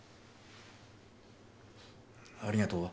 ありがとうは？